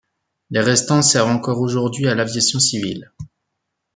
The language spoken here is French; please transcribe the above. Les restant servent encore aujourd'hui à l'aviation civile.